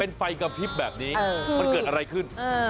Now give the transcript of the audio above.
เป็นไฟกระพริบแบบนี้มันเกิดอะไรขึ้น